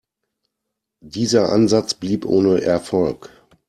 Dieser Ansatz blieb ohne Erfolg.